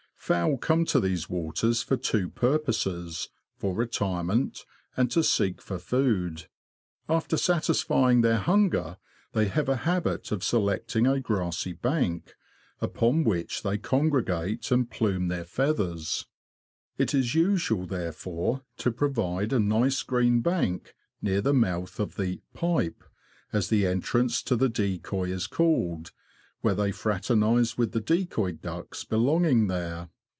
Fowl come to these waters for two purposes — for retirement, and to seek for food ; after satisfying their hunger, they have a habit of selecting YARMOUTH TO LOWESTOFT. 29 a grassy bank, upon which they congregate and plume their feathers. It is usual, therefore, to provide a nice green bank, near the mouth of the " pipe," as the entrance to the decoy is called, where they fra ternise with the decoy ducks belonging there.